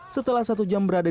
setelah satu jam berantakan